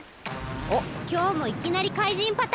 おっきょうもいきなりかいじんパターン！